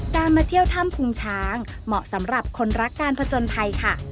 มาเที่ยวถ้ำพุงช้างเหมาะสำหรับคนรักการผจญภัยค่ะ